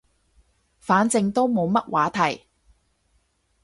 反正都冇乜話題